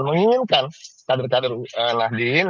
menginginkan kader kader nahddin